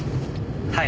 はい。